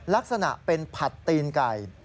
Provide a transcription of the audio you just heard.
ลักษณะเป็นผัดตีนไก่